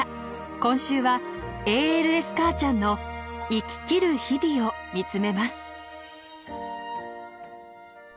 今週はＡＬＳかあちゃんの「生ききる」日々を見つめます。